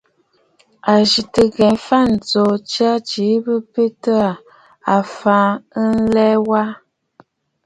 À ghɨ̀rə ŋghɛ̀ɛ̀ m̀fa ǹjoo jya jìi bɨ betə aa, a mfiʼi ɨlɛ̀ɛ̂ waa.